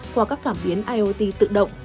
qua các cảm biến iot tự động